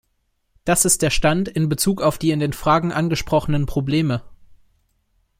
Das ist der Stand in Bezug auf die in den Fragen angesprochenen Probleme.